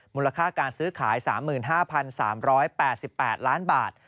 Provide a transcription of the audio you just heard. มูลค่าการซื้อขาย๓๕๓๘๘ล้านบาท